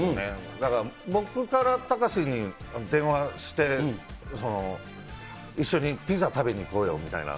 だから僕から隆に電話して、一緒にピザ食べに行こうよみたいな。